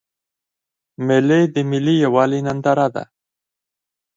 مېلې د ملي یوالي ننداره ده.